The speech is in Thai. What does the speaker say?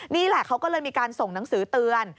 นี่แหละเขาก็เลยมีการส่งหนังสือเตือน